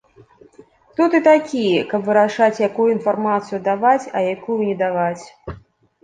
Хто ты такі, каб вырашаць, якую інфармацыю даваць, а якую не даваць?